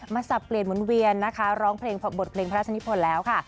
สับเปลี่ยนหมุนเวียนนะคะร้องเพลงบทเพลงพระราชนิพลแล้วค่ะ